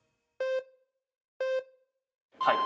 はい。